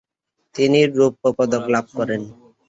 তিনি রৌপ্যপদক লাভ করেন।